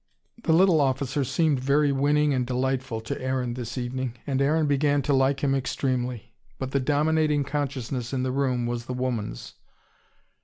The little officer seemed very winning and delightful to Aaron this evening and Aaron began to like him extremely. But the dominating consciousness in the room was the woman's.